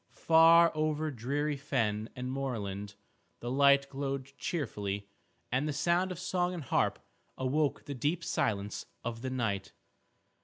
Far over dreary fen and moorland the light glowed cheerfully, and the sound of song and harp awoke the deep silence of the night.